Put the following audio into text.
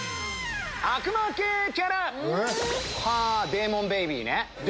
デーモンベビーね。